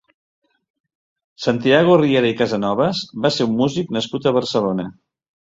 Santiago Riera i Casanovas va ser un músic nascut a Barcelona.